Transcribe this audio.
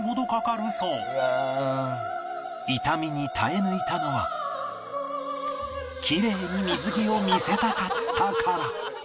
痛みに耐え抜いたのはきれいに水着を見せたかったから